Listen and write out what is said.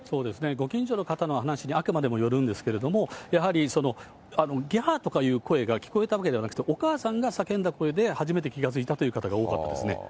ご近所の方の話にあくまでもよるんですけれども、ぎゃーという声が聞こえたわけではなくて、お母さんが叫んだ声で初めて気がついたという方が多かったですね。